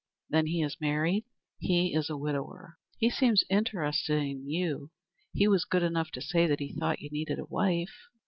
"Then he is married?" "He is a widower." "He seems interested in you. He was good enough to say that he thought you needed a wife."